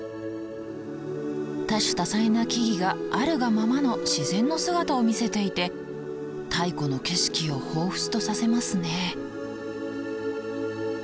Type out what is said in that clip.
多種多彩な木々があるがままの自然の姿を見せていて太古の景色をほうふつとさせますね。